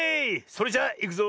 それじゃいくぞ。